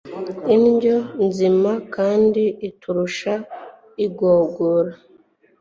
indyo nzima kandi itarushya igogora